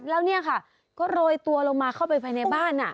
แล้วเนี่ยค่ะก็โรยตัวลงมาเข้าไปภายในบ้าน